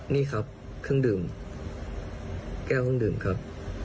นี่ครับเครื่องดื่มแก้วเครื่องดื่มครับ